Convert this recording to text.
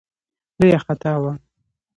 لویه خطا وه.